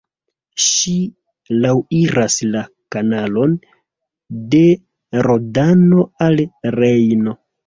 Ŝi laŭiras la kanalon de Rodano al Rejno.